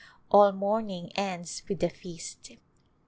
All mourning ends with a feast.